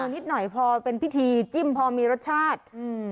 นิดหน่อยพอเป็นพิธีจิ้มพอมีรสชาติอืม